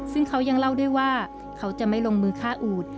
ซึ่งเขายังเล่าด้วยว่าเขาจะไม่ลงมือฆ่าอูด